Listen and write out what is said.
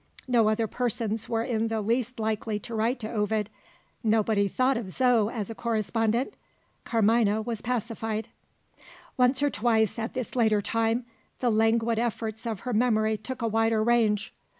No other persons were in the least likely to write to Ovid nobody thought of Zo as a correspondent Carmina was pacified. Once or twice, at this later time, the languid efforts of her memory took a wider range.